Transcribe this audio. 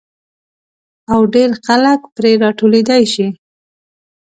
او ډېر خلک پرې را ټولېدای شي.